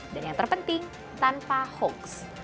dan yang terpenting tanpa hoax